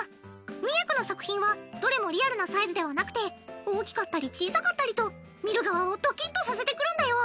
ミュエクの作品はどれもリアルなサイズではなくて大きかったり小さかったりと見る側をドキッとさせてくるんだよ。